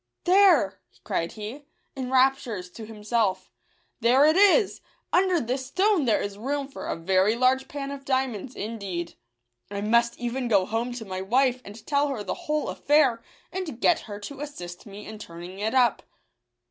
" There," cried he, in raptures, to himself, " there it is ; under this stone there is JP n /UW,/ntiAi is •>•»!> room for a very large pan of diamonds indeed. I must even go home to my wife, and tell her the whole affair, and get her to assist me in turning it up."